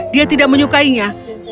dia tidak menyukainya